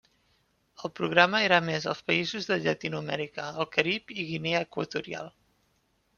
El programa era emès als països de Llatinoamèrica, el Carib i Guinea Equatorial.